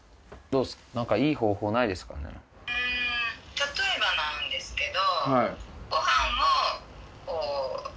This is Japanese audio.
例えばなんですけど。